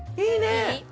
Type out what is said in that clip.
いいね！